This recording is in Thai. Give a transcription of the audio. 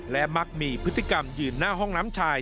และมักมีพฤติกรรมยืนหน้าห้องน้ำชาย